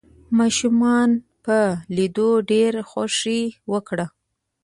ماشومانو په ليدو ډېره خوښي وکړه.